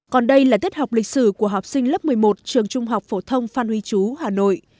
còn đây là tiết học lịch sử của học sinh lớp một mươi một trường trung học phổ thông phan huy chú hà nội